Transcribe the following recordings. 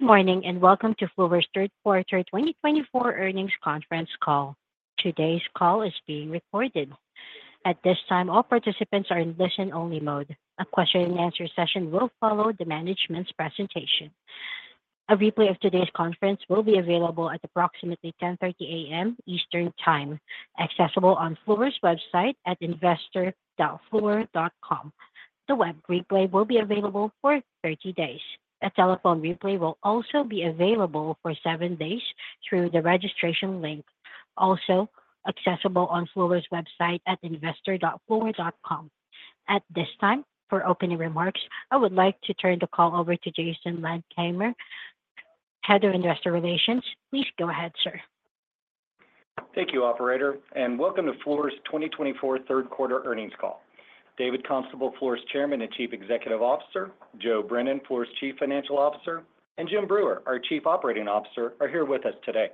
Good morning and welcome to Fluor's Third Quarter 2024 Earnings Conference Call. Today's call is being recorded. At this time, all participants are in listen-only mode. A question-and-answer session will follow the management's presentation. A replay of today's call will be available at approximately 10:30 A.M. Eastern Time, accessible on Fluor's website at investor.fluor.com. The web replay will be available for 30 days. A telephone replay will also be available for seven days through the registration link, also accessible on Fluor's website at investor.fluor.com. At this time, for opening remarks, I would like to turn the call over to Jason Landkamer, Head of Investor Relations. Please go ahead, sir. Thank you, Operator, and welcome to Fluor's 2024 third-quarter earnings call. David Constable, Fluor's Chairman and Chief Executive Officer, Joe Brennan, Fluor's Chief Financial Officer, and Jim Breuer, our Chief Operating Officer, are here with us today.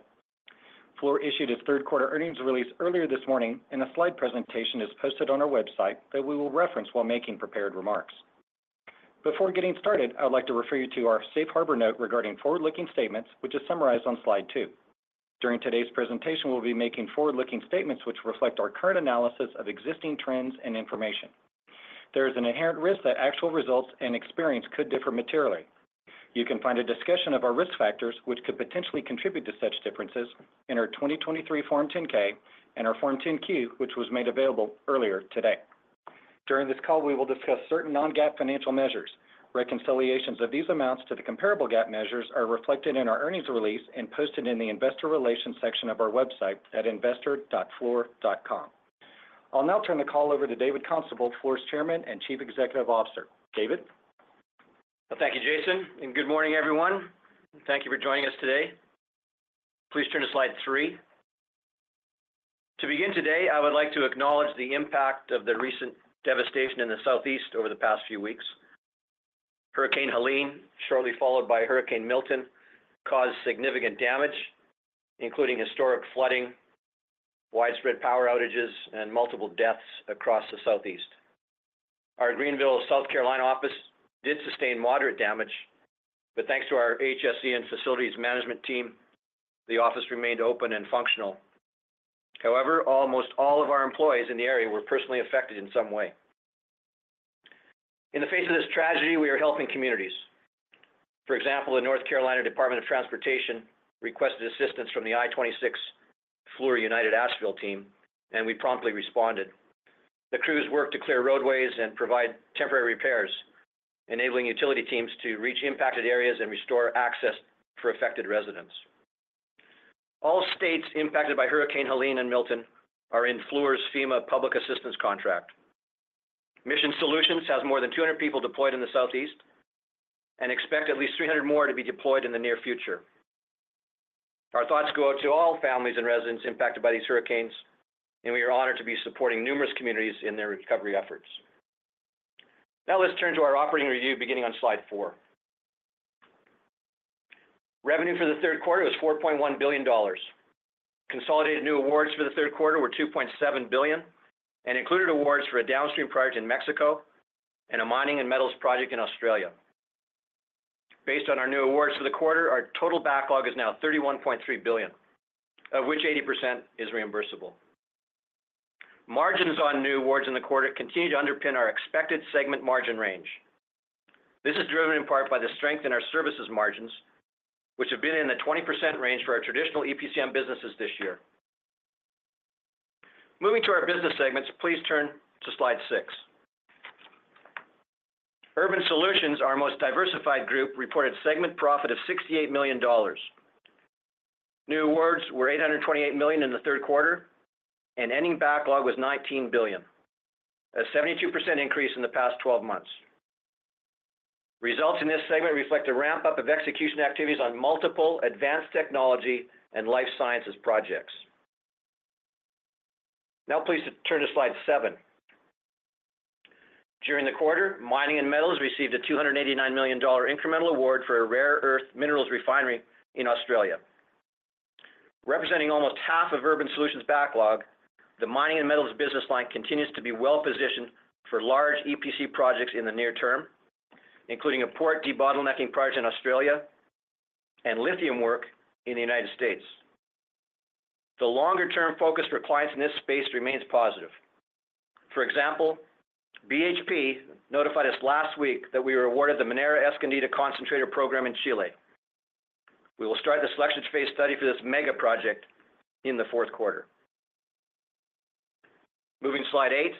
Fluor issued its third-quarter earnings release earlier this morning, and a slide presentation is posted on our website that we will reference while making prepared remarks. Before getting started, I would like to refer you to our Safe Harbor Note regarding forward-looking statements, which is summarized on slide two. During today's presentation, we will be making forward-looking statements which reflect our current analysis of existing trends and information. There is an inherent risk that actual results and experience could differ materially. You can find a discussion of our risk factors, which could potentially contribute to such differences, in our 2023 Form 10-K and our Form 10-Q, which was made available earlier today. During this call, we will discuss certain non-GAAP financial measures. Reconciliations of these amounts to the comparable GAAP measures are reflected in our earnings release and posted in the Investor Relations section of our website at investor.fluor.com. I'll now turn the call over to David Constable, Fluor's Chairman and Chief Executive Officer. David. Thank you, Jason, and good morning, everyone. Thank you for joining us today. Please turn to slide three. To begin today, I would like to acknowledge the impact of the recent devastation in the Southeast over the past few weeks. Hurricane Helene, shortly followed by Hurricane Milton, caused significant damage, including historic flooding, widespread power outages, and multiple deaths across the Southeast. Our Greenville, South Carolina, office did sustain moderate damage, but thanks to our HSE and facilities management team, the office remained open and functional. However, almost all of our employees in the area were personally affected in some way. In the face of this tragedy, we are helping communities. For example, the North Carolina Department of Transportation requested assistance from the I-26 Fluor United Asheville team, and we promptly responded. The crews worked to clear roadways and provide temporary repairs, enabling utility teams to reach impacted areas and restore access for affected residents. All states impacted by Hurricane Helene and Milton are in Fluor's FEMA public assistance contract. Mission Solutions has more than 200 people deployed in the Southeast and expects at least 300 more to be deployed in the near future. Our thoughts go out to all families and residents impacted by these hurricanes, and we are honored to be supporting numerous communities in their recovery efforts. Now let's turn to our operating review, beginning on slide four. Revenue for the third quarter was $4.1 billion. Consolidated new awards for the third quarter were $2.7 billion and included awards for a downstream project in Mexico and a mining and metals project in Australia. Based on our new awards for the quarter, our total backlog is now $31.3 billion, of which 80% is reimbursable. Margins on new awards in the quarter continue to underpin our expected segment margin range. This is driven in part by the strength in our services margins, which have been in the 20% range for our traditional EPCM businesses this year. Moving to our business segments, please turn to slide six. Urban Solutions, our most diversified group, reported segment profit of $68 million. New awards were $828 million in the third quarter, and ending backlog was $19 billion, a 72% increase in the past 12 months. Results in this segment reflect a ramp-up of execution activities on multiple advanced technology and life sciences projects. Now, please turn to slide seven. During the quarter, Mining and Metals received a $289 million incremental award for a rare earth minerals refinery in Australia. Representing almost half of Urban Solutions' backlog, the Mining and Metals business line continues to be well-positioned for large EPC projects in the near term, including a port debottlenecking project in Australia and lithium work in the United States. The longer-term focus for clients in this space remains positive. For example, BHP notified us last week that we were awarded the Minera Escondida concentrator program in Chile. We will start the selection phase study for this mega project in the fourth quarter. Moving to slide eight.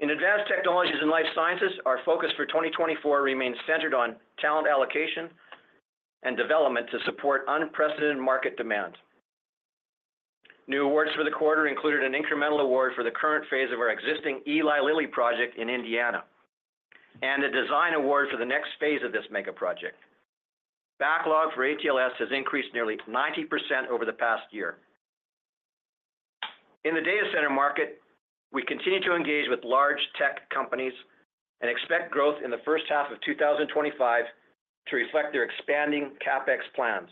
In advanced technologies and life sciences, our focus for 2024 remains centered on talent allocation and development to support unprecedented market demand. New awards for the quarter included an incremental award for the current phase of our existing Eli Lilly project in Indiana and a design award for the next phase of this mega project. Backlog for ATLS has increased nearly 90% over the past year. In the data center market, we continue to engage with large tech companies and expect growth in the first half of 2025 to reflect their expanding CapEx plans.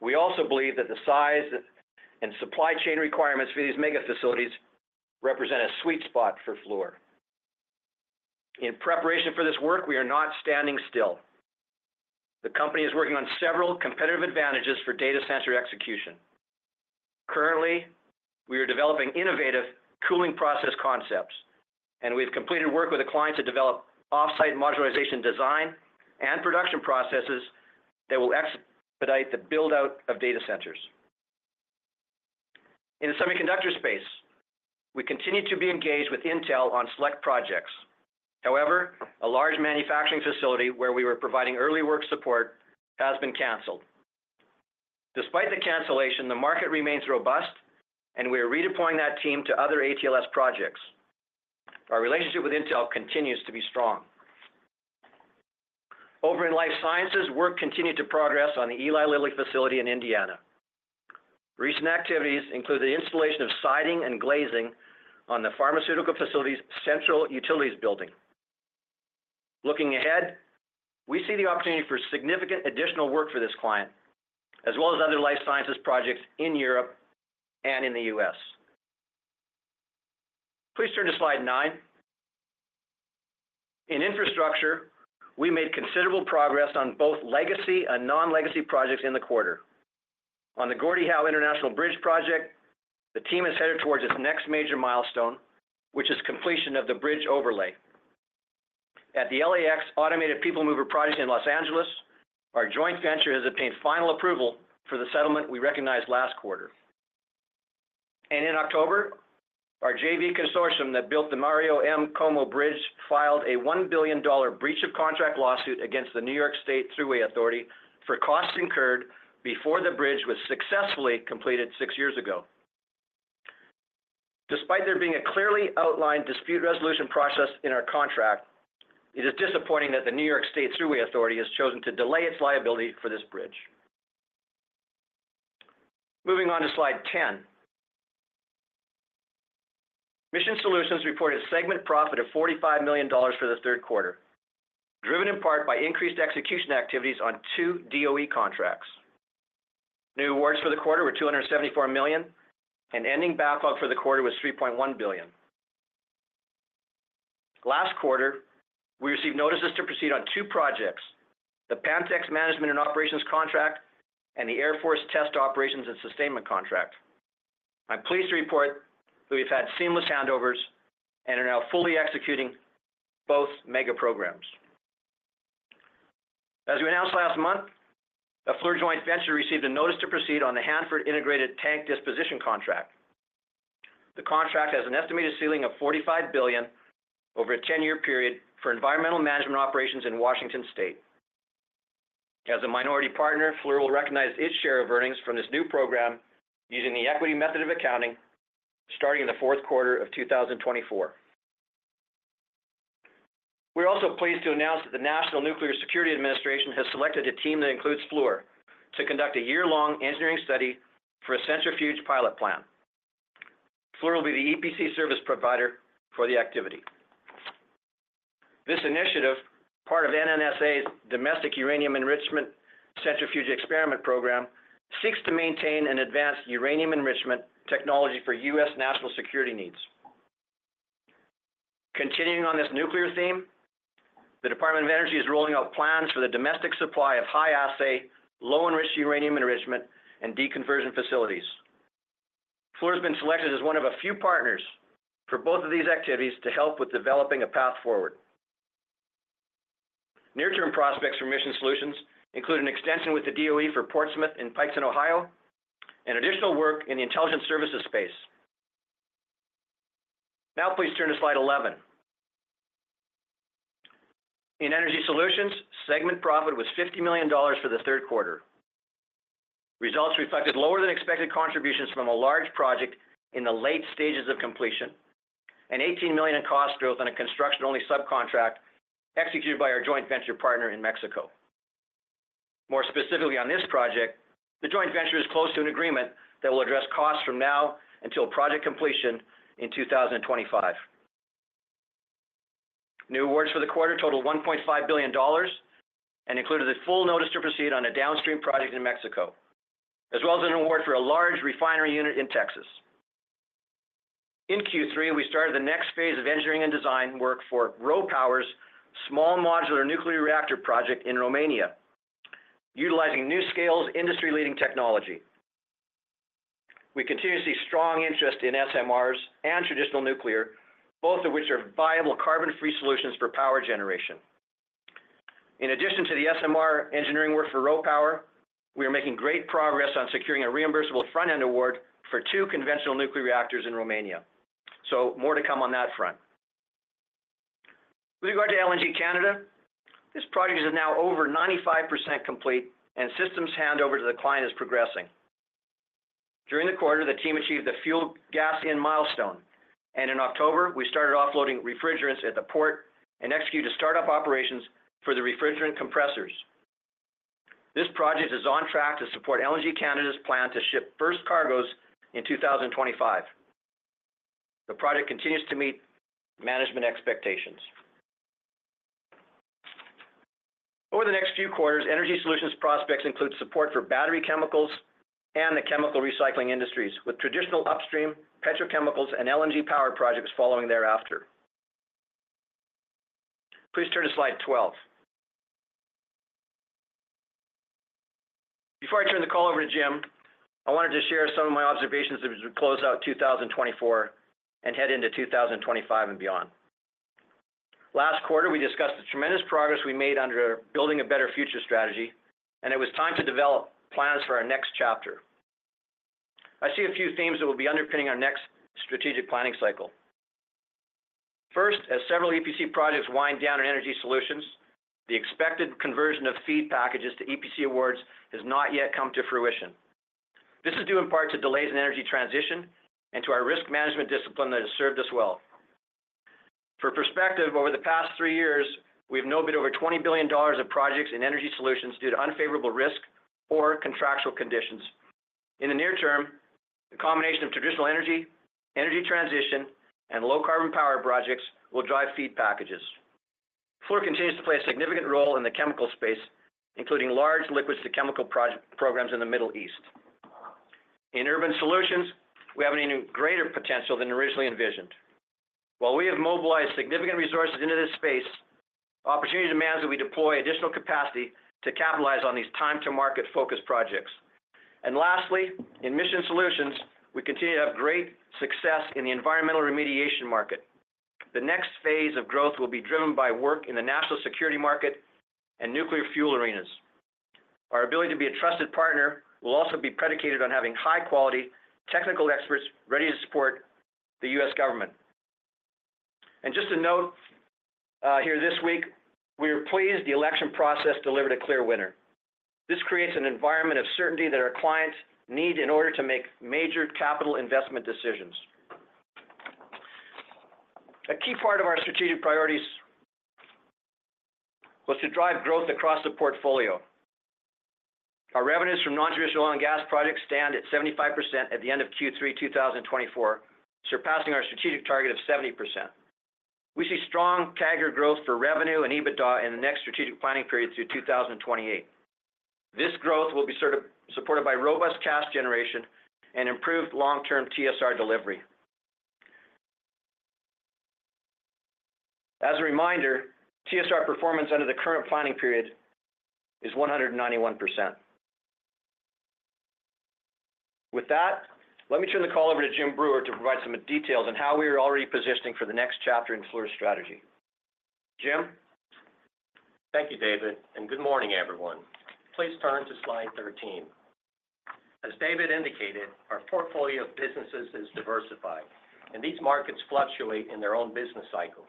We also believe that the size and supply chain requirements for these mega facilities represent a sweet spot for Fluor. In preparation for this work, we are not standing still. The company is working on several competitive advantages for data center execution. Currently, we are developing innovative cooling process concepts, and we've completed work with a client to develop off-site modularization design and production processes that will expedite the build-out of data centers. In the semiconductor space, we continue to be engaged with Intel on select projects. However, a large manufacturing facility where we were providing early work support has been canceled. Despite the cancellation, the market remains robust, and we are redeploying that team to other ATLS projects. Our relationship with Intel continues to be strong. Over in life sciences, work continued to progress on the Eli Lilly facility in Indiana. Recent activities include the installation of siding and glazing on the pharmaceutical facility's central utilities building. Looking ahead, we see the opportunity for significant additional work for this client, as well as other life sciences projects in Europe and in the U.S. Please turn to slide nine. In infrastructure, we made considerable progress on both legacy and non-legacy projects in the quarter. On the Gordie Howe International Bridge project, the team is headed towards its next major milestone, which is completion of the bridge overlay. At the LAX Automated People Mover project in Los Angeles, our joint venture has obtained final approval for the settlement we recognized last quarter. In October, our JV consortium that built the Mario M. Cuomo Bridge filed a $1 billion breach of contract lawsuit against the New York State Thruway Authority for costs incurred before the bridge was successfully completed six years ago. Despite there being a clearly outlined dispute resolution process in our contract, it is disappointing that the New York State Thruway Authority has chosen to delay its liability for this bridge. Moving on to slide 10. Mission Solutions reported a segment profit of $45 million for the third quarter, driven in part by increased execution activities on two DOE contracts. New awards for the quarter were $274 million, and ending backlog for the quarter was $3.1 billion. Last quarter, we received notices to proceed on two projects: the Pantex Management and Operations contract and the Air Force Test Operations and Sustainment contract. I'm pleased to report that we've had seamless handovers and are now fully executing both mega programs. As we announced last month, a Fluor joint venture received a notice to proceed on the Hanford Integrated Tank Disposition Contract. The contract has an estimated ceiling of $45 billion over a 10-year period for environmental management operations in Washington State. As a minority partner, Fluor will recognize its share of earnings from this new program using the equity method of accounting starting in the fourth quarter of 2024. We're also pleased to announce that the National Nuclear Security Administration has selected a team that includes Fluor to conduct a year-long engineering study for a centrifuge pilot plant. Fluor will be the EPC service provider for the activity. This initiative, part of NNSA's Domestic Uranium Enrichment Centrifuge Experiment Program, seeks to maintain and advance uranium enrichment technology for U.S. national security needs. Continuing on this nuclear theme, the Department of Energy is rolling out plans for the domestic supply of high-assay, low-enriched uranium enrichment and deconversion facilities. Fluor has been selected as one of a few partners for both of these activities to help with developing a path forward. Near-term prospects for Mission Solutions include an extension with the DOE for Portsmouth and Piketon, Ohio, and additional work in the intelligence services space. Now, please turn to slide 11. In Energy Solutions, segment profit was $50 million for the third quarter. Results reflected lower-than-expected contributions from a large project in the late stages of completion and $18 million in cost growth on a construction-only subcontract executed by our joint venture partner in Mexico. More specifically, on this project, the joint venture is close to an agreement that will address costs from now until project completion in 2025. New awards for the quarter totaled $1.5 billion and included the full notice to proceed on a downstream project in Mexico, as well as an award for a large refinery unit in Texas. In Q3, we started the next phase of engineering and design work for RoPower's small modular nuclear reactor project in Romania, utilizing NuScale's industry-leading technology. We continue to see strong interest in SMRs and traditional nuclear, both of which are viable carbon-free solutions for power generation. In addition to the SMR engineering work for RoPower, we are making great progress on securing a reimbursable front-end award for two conventional nuclear reactors in Romania. So, more to come on that front. With regard to LNG Canada, this project is now over 95% complete, and systems handover to the client is progressing. During the quarter, the team achieved the fuel gas-in milestone, and in October, we started offloading refrigerants at the port and executed startup operations for the refrigerant compressors. This project is on track to support LNG Canada's plan to ship first cargoes in 2025. The project continues to meet management expectations. Over the next few quarters, Energy Solutions' prospects include support for battery chemicals and the chemical recycling industries, with traditional upstream petrochemicals and LNG-powered projects following thereafter. Please turn to slide 12. Before I turn the call over to Jim, I wanted to share some of my observations as we close out 2024 and head into 2025 and beyond. Last quarter, we discussed the tremendous progress we made under our Building a Better Future strategy, and it was time to develop plans for our next chapter. I see a few themes that will be underpinning our next strategic planning cycle. First, as several EPC projects wind down in Energy Solutions, the expected conversion of FEED packages to EPC awards has not yet come to fruition. This is due in part to delays in energy transition and to our risk management discipline that has served us well. For perspective, over the past three years, we have no bid over $20 billion of projects in Energy Solutions due to unfavorable risk or contractual conditions. In the near term, the combination of traditional energy, energy transition, and low-carbon power projects will drive FEED packages. Fluor continues to play a significant role in the chemical space, including large liquids-to-chemical programs in the Middle East. In Urban Solutions, we have an even greater potential than originally envisioned. While we have mobilized significant resources into this space, opportunity demands that we deploy additional capacity to capitalize on these time-to-market-focused projects. And lastly, in Mission Solutions, we continue to have great success in the environmental remediation market. The next phase of growth will be driven by work in the national security market and nuclear fuel arenas. Our ability to be a trusted partner will also be predicated on having high-quality technical experts ready to support the U.S. government. And just to note here this week, we are pleased the election process delivered a clear winner. This creates an environment of certainty that our clients need in order to make major capital investment decisions. A key part of our strategic priorities was to drive growth across the portfolio. Our revenues from non-traditional oil and gas projects stand at 75% at the end of Q3 2024, surpassing our strategic target of 70%. We see strong CAGR growth for revenue and EBITDA in the next strategic planning period through 2028. This growth will be supported by robust cash generation and improved long-term TSR delivery. As a reminder, TSR performance under the current planning period is 191%. With that, let me turn the call over to Jim Breuer to provide some details on how we are already positioning for the next chapter in Fluor's strategy. Jim? Thank you, David, and good morning, everyone. Please turn to slide 13. As David indicated, our portfolio of businesses is diversified, and these markets fluctuate in their own business cycles.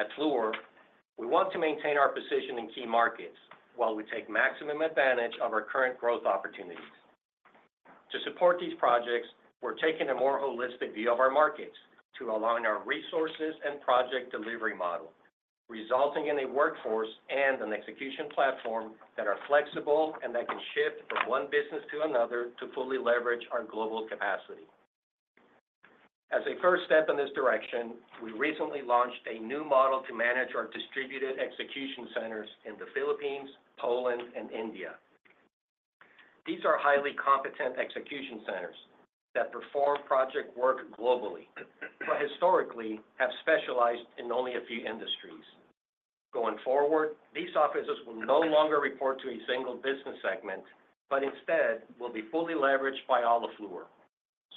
At Fluor, we want to maintain our position in key markets while we take maximum advantage of our current growth opportunities. To support these projects, we're taking a more holistic view of our markets to align our resources and project delivery model, resulting in a workforce and an execution platform that are flexible and that can shift from one business to another to fully leverage our global capacity. As a first step in this direction, we recently launched a new model to manage our distributed execution centers in the Philippines, Poland, and India. These are highly competent execution centers that perform project work globally, but historically have specialized in only a few industries. Going forward, these offices will no longer report to a single business segment, but instead will be fully leveraged by all of Fluor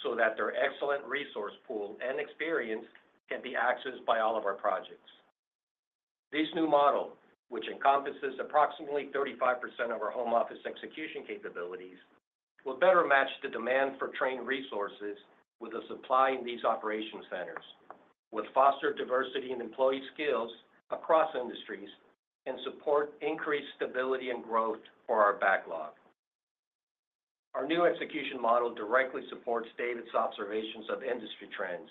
so that their excellent resource pool and experience can be accessed by all of our projects. This new model, which encompasses approximately 35% of our home office execution capabilities, will better match the demand for trained resources with the supply in these operation centers, will foster diversity in employee skills across industries, and support increased stability and growth for our backlog. Our new execution model directly supports David's observations of industry trends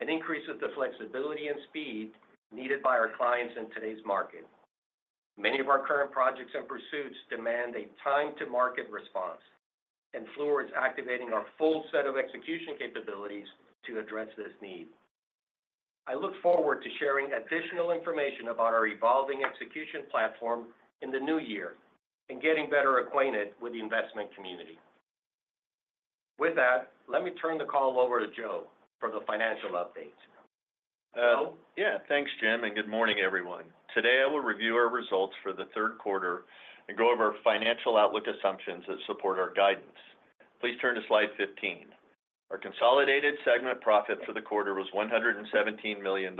and increases the flexibility and speed needed by our clients in today's market. Many of our current projects and pursuits demand a time-to-market response, and Fluor is activating our full set of execution capabilities to address this need. I look forward to sharing additional information about our evolving execution platform in the new year and getting better acquainted with the investment community. With that, let me turn the call over to Joe for the financial update. Hello? Yeah. Thanks, Jim. And good morning, everyone. Today, I will review our results for the third quarter and go over our financial outlook assumptions that support our guidance. Please turn to slide 15. Our consolidated segment profit for the quarter was $117 million.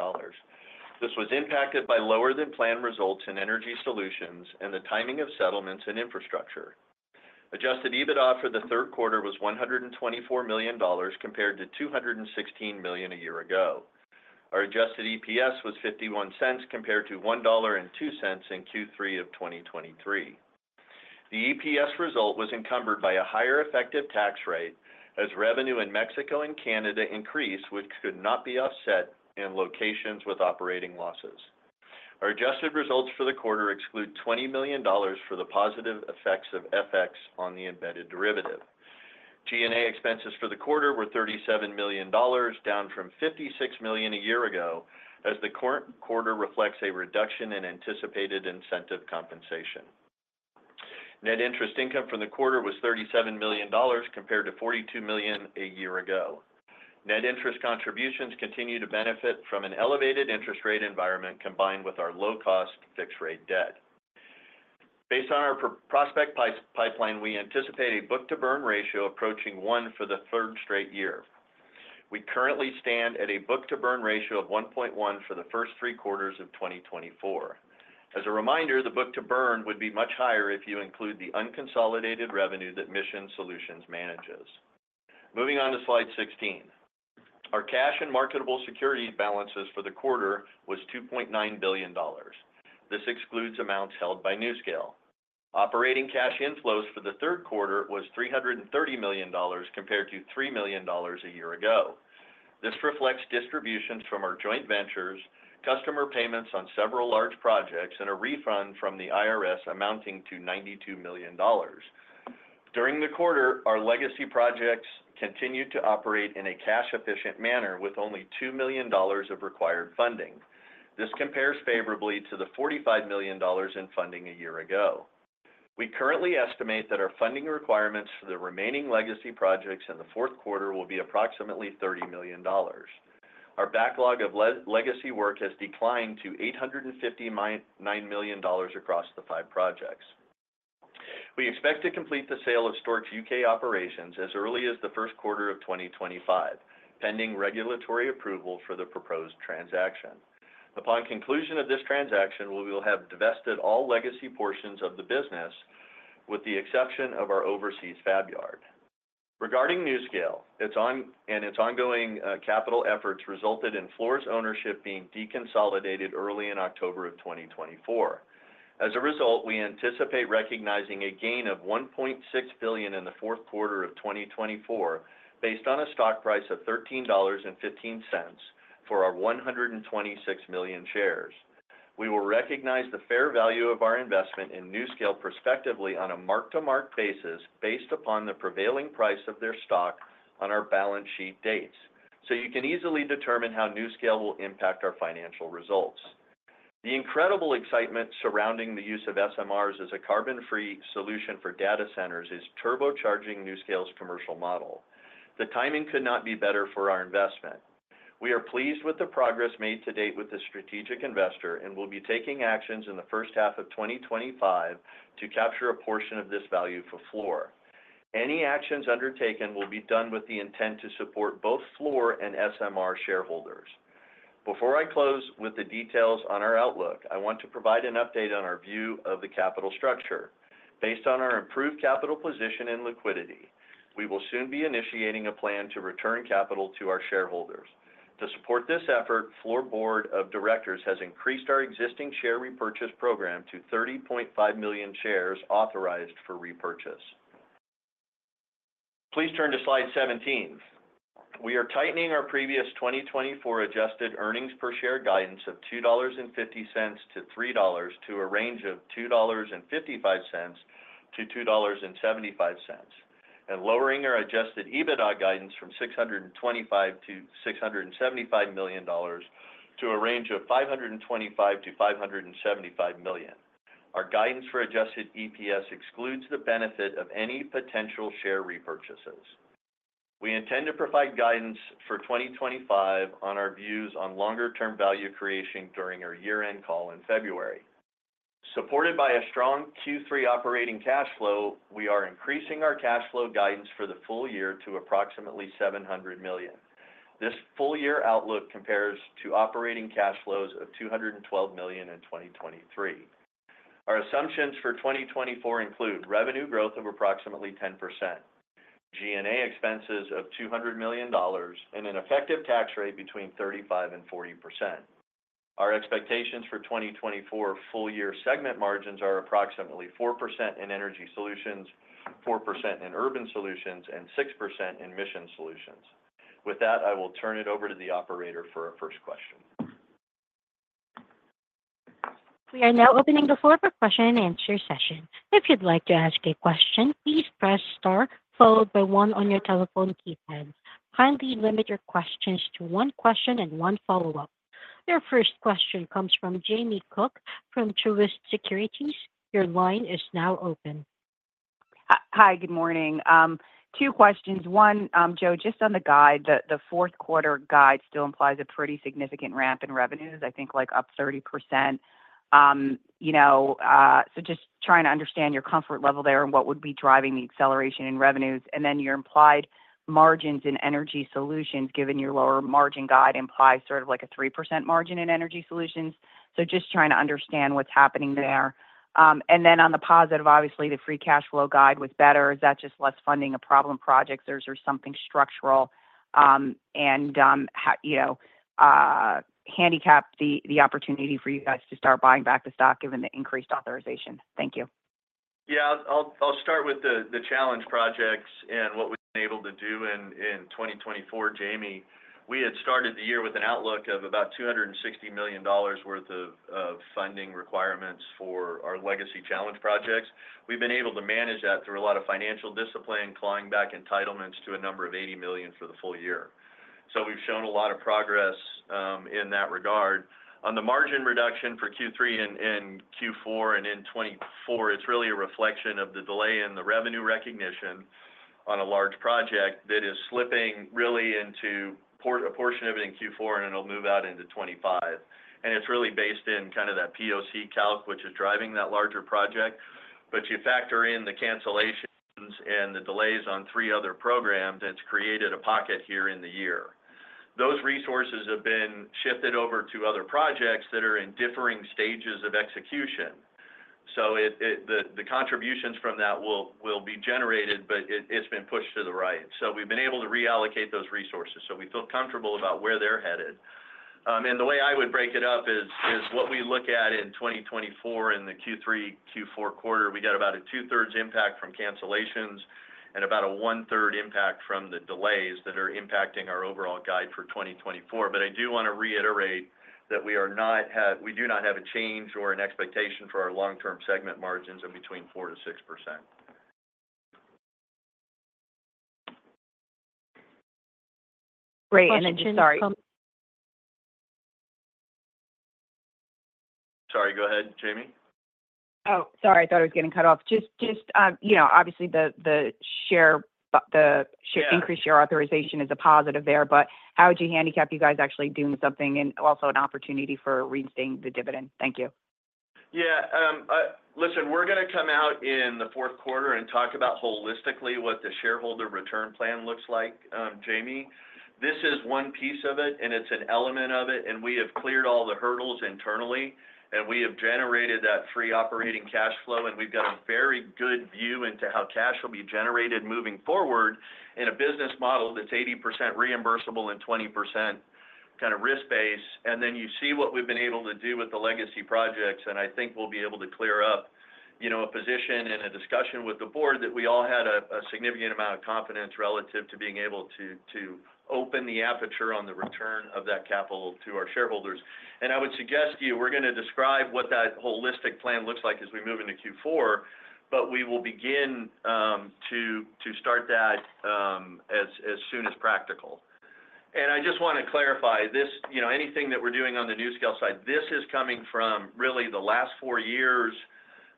This was impacted by lower-than-planned results in Energy Solutions and the timing of settlements and infrastructure. Adjusted EBITDA for the third quarter was $124 million compared to $216 million a year ago. Our adjusted EPS was $0.51 compared to $1.02 in Q3 of 2023. The EPS result was encumbered by a higher effective tax rate as revenue in Mexico and Canada increased, which could not be offset in locations with operating losses. Our adjusted results for the quarter exclude $20 million for the positive effects of FX on the embedded derivative. G&A expenses for the quarter were $37 million, down from $56 million a year ago, as the current quarter reflects a reduction in anticipated incentive compensation. Net interest income for the quarter was $37 million compared to $42 million a year ago. Net interest contributions continue to benefit from an elevated interest rate environment combined with our low-cost fixed-rate debt. Based on our prospect pipeline, we anticipate a book-to-burn ratio approaching 1 for the third straight year. We currently stand at a book-to-burn ratio of 1.1 for the first three quarters of 2024. As a reminder, the book-to-burn would be much higher if you include the unconsolidated revenue that Mission Solutions manages. Moving on to slide 16. Our cash and marketable security balances for the quarter were $2.9 billion. This excludes amounts held by NuScale. Operating cash inflows for the third quarter were $330 million compared to $3 million a year ago. This reflects distributions from our joint ventures, customer payments on several large projects, and a refund from the IRS amounting to $92 million. During the quarter, our legacy projects continued to operate in a cash-efficient manner with only $2 million of required funding. This compares favorably to the $45 million in funding a year ago. We currently estimate that our funding requirements for the remaining legacy projects in the fourth quarter will be approximately $30 million. Our backlog of legacy work has declined to $859 million across the five projects. We expect to complete the sale of Stork U.K. operations as early as the first quarter of 2025, pending regulatory approval for the proposed transaction. Upon conclusion of this transaction, we will have divested all legacy portions of the business, with the exception of our overseas fab yard. Regarding NuScale, its ongoing capital efforts resulted in Fluor's ownership being deconsolidated early in October of 2024. As a result, we anticipate recognizing a gain of $1.6 billion in the fourth quarter of 2024 based on a stock price of $13.15 for our 126 million shares. We will recognize the fair value of our investment in NuScale prospectively on a mark-to-market basis based upon the prevailing price of their stock on our balance sheet dates. So you can easily determine how NuScale will impact our financial results. The incredible excitement surrounding the use of SMRs as a carbon-free solution for data centers is turbocharging NuScale's commercial model. The timing could not be better for our investment. We are pleased with the progress made to date with the strategic investor and will be taking actions in the first half of 2025 to capture a portion of this value for Fluor. Any actions undertaken will be done with the intent to support both Fluor and SMR shareholders. Before I close with the details on our outlook, I want to provide an update on our view of the capital structure. Based on our improved capital position and liquidity, we will soon be initiating a plan to return capital to our shareholders. To support this effort, the Fluor Board of Directors has increased our existing share repurchase program to 30.5 million shares authorized for repurchase. Please turn to slide 17. We are tightening our previous 2024 adjusted earnings per share guidance of $2.50-$3.00 to a range of $2.55-$2.75, and lowering our adjusted EBITDA guidance from $625-$675 million to a range of $525-$575 million. Our guidance for adjusted EPS excludes the benefit of any potential share repurchases. We intend to provide guidance for 2025 on our views on longer-term value creation during our year-end call in February. Supported by a strong Q3 operating cash flow, we are increasing our cash flow guidance for the full year to approximately $700 million. This full-year outlook compares to operating cash flows of $212 million in 2023. Our assumptions for 2024 include revenue growth of approximately 10%, G&A expenses of $200 million, and an effective tax rate between 35% and 40%. Our expectations for 2024 full-year segment margins are approximately 4% in Energy Solutions, 4% in Urban Solutions, and 6% in Mission Solutions. With that, I will turn it over to the operator for a first question. We are now opening the floor for question and answer session. If you'd like to ask a question, please press star followed by one on your telephone keypad. Kindly limit your questions to one question and one follow-up. Your first question comes from Jamie Cook from Truist Securities. Your line is now open. Hi, good morning. Two questions. One, Joe, just on the guide, the fourth quarter guide still implies a pretty significant ramp in revenues, I think like up 30%. So just trying to understand your comfort level there and what would be driving the acceleration in revenues. And then your implied margins in Energy Solutions, given your lower margin guide, implies sort of like a 3% margin in Energy Solutions. So just trying to understand what's happening there. And then on the positive, obviously, the free cash flow guide was better. Is that just less funding of problem projects or is there something structural? And handicap the opportunity for you guys to start buying back the stock given the increased authorization. Thank you. Yeah. I'll start with the challenge projects and what we've been able to do in 2024. Jamie, we had started the year with an outlook of about $260 million worth of funding requirements for our legacy challenge projects. We've been able to manage that through a lot of financial discipline, clawing back entitlements to a number of $80 million for the full year. So we've shown a lot of progress in that regard. On the margin reduction for Q3 and Q4 and in 2024, it's really a reflection of the delay in the revenue recognition on a large project that is slipping really into a portion of it in Q4, and it'll move out into 2025, and it's really based in kind of that POC calc which is driving that larger project, but you factor in the cancellations and the delays on three other programs that's created a pocket here in the year. Those resources have been shifted over to other projects that are in differing stages of execution, so the contributions from that will be generated, but it's been pushed to the right, so we've been able to reallocate those resources, so we feel comfortable about where they're headed. And the way I would break it up is what we look at in 2024 in the Q3, Q4 quarter, we got about a two-thirds impact from cancellations and about a one-third impact from the delays that are impacting our overall guide for 2024. But I do want to reiterate that we do not have a change or an expectation for our long-term segment margins of between 4%-6%. Great. And then Jim. Sorry. Go ahead, Jamie. Oh, sorry. I thought I was getting cut off. Just obviously, the increased share authorization is a positive there, but how would you handicap you guys actually doing something and also an opportunity for reinstating the dividend? Thank you. Yeah. Listen, we're going to come out in the fourth quarter and talk about holistically what the shareholder return plan looks like, Jamie. This is one piece of it, and it's an element of it, and we have cleared all the hurdles internally, and we have generated that free operating cash flow, and we've got a very good view into how cash will be generated moving forward in a business model that's 80% reimbursable and 20% kind of risk-based, and then you see what we've been able to do with the legacy projects, and I think we'll be able to clear up a position and a discussion with the board that we all had a significant amount of confidence relative to being able to open the aperture on the return of that capital to our shareholders, and I would suggest to you, we're going to describe what that holistic plan looks like as we move into Q4, but we will begin to start that as soon as practical. And I just want to clarify anything that we're doing on the NuScale side. This is coming from really the last four years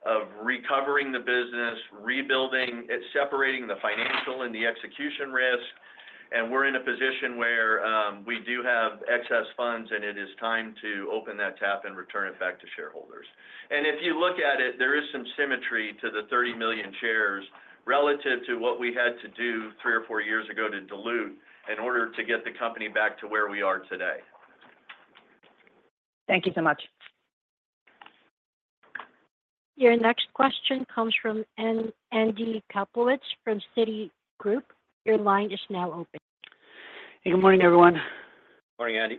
of recovering the business, rebuilding, separating the financial and the execution risk. And we're in a position where we do have excess funds, and it is time to open that tap and return it back to shareholders. And if you look at it, there is some symmetry to the 30 million shares relative to what we had to do three or four years ago to dilute in order to get the company back to where we are today. Thank you so much. Your next question comes from Andrew Kaplowitz from Citigroup. Your line is now open. Hey, good morning, everyone. Morning, Andy.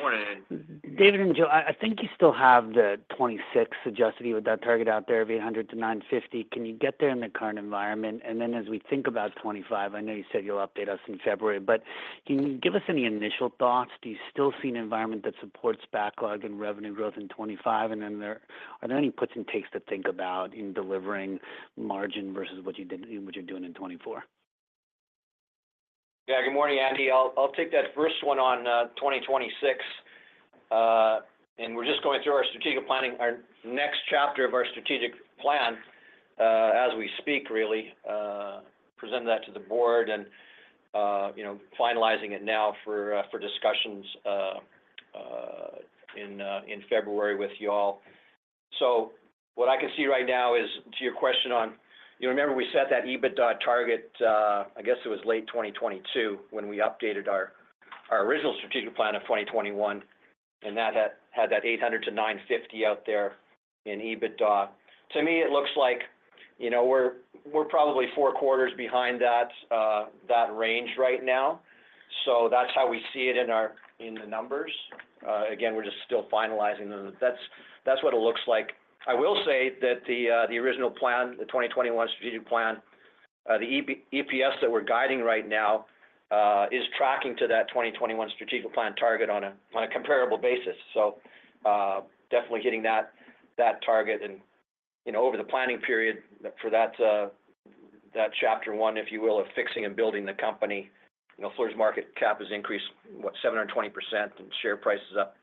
Morning, Andy. David and Joe, I think you still have the $2.6, suggested you with that target out there of $800-$950. Can you get there in the current environment? And then as we think about 2025, I know you said you'll update us in February, but can you give us any initial thoughts? Do you still see an environment that supports backlog and revenue growth in 2025? And then are there any puts and takes to think about in delivering margin versus what you're doing in 2024? Yeah. Good morning, Andy. I'll take that first one on 2026. And we're just going through our strategic planning, our next chapter of our strategic plan as we speak, really, presenting that to the board and finalizing it now for discussions in February with y'all. So what I can see right now is, to your question on, you remember we set that EBITDA target. I guess it was late 2022 when we updated our original strategic plan of 2021, and that had that $800-$950 out there in EBITDA. To me, it looks like we're probably four quarters behind that range right now. So that's how we see it in the numbers. Again, we're just still finalizing them. That's what it looks like. I will say that the original plan, the 2021 strategic plan, the EPS that we're guiding right now is tracking to that 2021 strategic plan target on a comparable basis. So definitely hitting that target and over the planning period for that chapter one, if you will, of fixing and building the company. Fluor's market cap has increased, what, 720%, and share price is up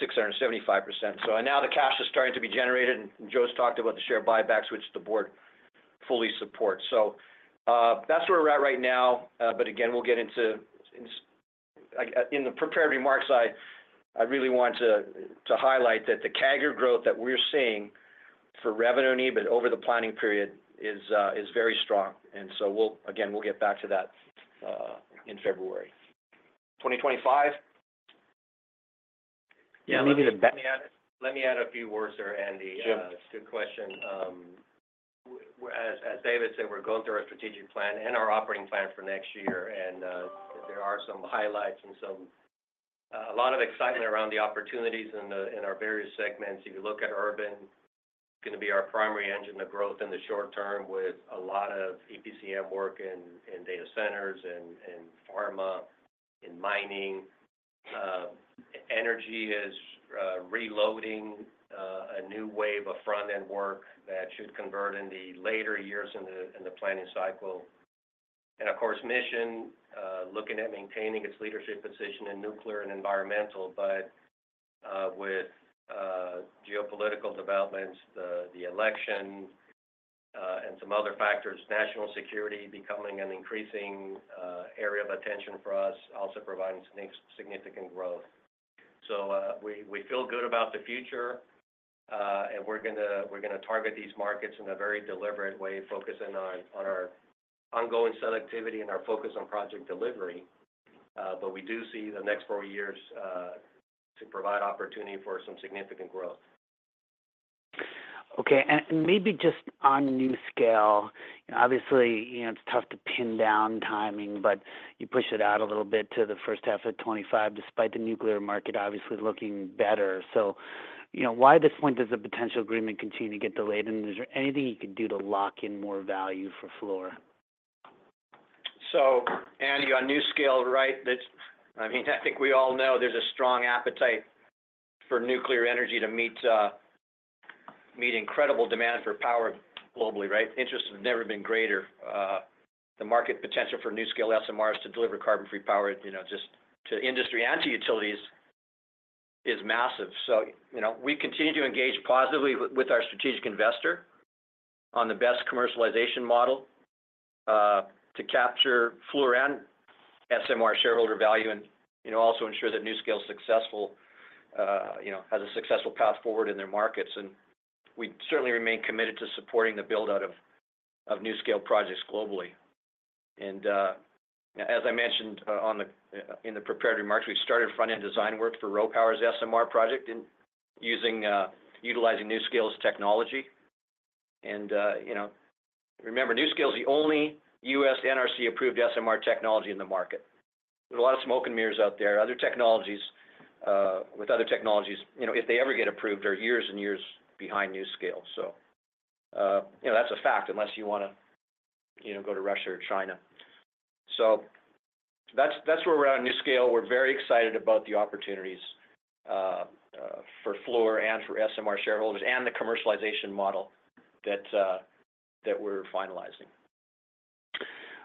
675%. So now the cash is starting to be generated, and Joe's talked about the share buybacks, which the board fully supports. So that's where we're at right now. But again, we'll get into in the prepared remarks. I really want to highlight that the CAGR growth that we're seeing for revenue and EBIT over the planning period is very strong. And so again, we'll get back to that in February 2025? Yeah. Let me add a few words there, Andy. It's a good question. As David said, we're going through our strategic plan and our operating plan for next year, and there are some highlights and a lot of excitement around the opportunities in our various segments. If you look at Urban, going to be our primary engine of growth in the short term with a lot of EPCM work in data centers and pharma and mining. Energy is reloading a new wave of front-end work that should convert in the later years in the planning cycle, and of course, Mission, looking at maintaining its leadership position in nuclear and environmental, but with geopolitical developments, the election, and some other factors, national security becoming an increasing area of attention for us, also providing significant growth, so we feel good about the future, and we're going to target these markets in a very deliberate way, focusing on our ongoing selectivity and our focus on project delivery, but we do see the next four years to provide opportunity for some significant growth. Okay, and maybe just on NuScale, obviously, it's tough to pin down timing, but you push it out a little bit to the first half of 2025 despite the nuclear market obviously looking better. So why at this point does the potential agreement continue to get delayed? And is there anything you could do to lock in more value for Fluor? So, Andy, on NuScale, right, I mean, I think we all know there's a strong appetite for nuclear energy to meet incredible demand for power globally, right? Interest has never been greater. The market potential for NuScale SMRs to deliver carbon-free power just to industry and to utilities is massive. So we continue to engage positively with our strategic investor on the best commercialization model to capture Fluor and SMR shareholder value and also ensure that NuScale has a successful path forward in their markets. And we certainly remain committed to supporting the build-out of NuScale projects globally. And as I mentioned in the prepared remarks, we started front-end design work for RoPower's SMR project utilizing NuScale's technology. And remember, NuScale is the only U.S. NRC-approved SMR technology in the market. There's a lot of smoke and mirrors out there. With other technologies, if they ever get approved, they're years and years behind NuScale. So that's a fact unless you want to go to Russia or China. So that's where we're at on NuScale. We're very excited about the opportunities for Fluor and for SMR shareholders and the commercialization model that we're finalizing.